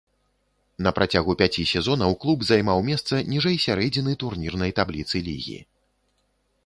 На працягу пяці сезонаў клуб займаў месца ніжэй сярэдзіны турнірнай табліцы лігі.